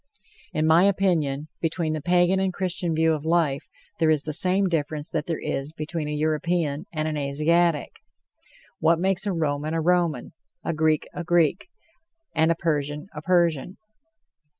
In my opinion, between the Pagan and Christian view of life there is the same difference that there is between a European and an Asiatic. What makes a Roman a Roman, a Greek a Greek, and a Persian a Persian?